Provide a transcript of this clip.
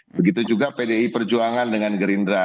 begitu juga pdi perjuangan dengan gerindra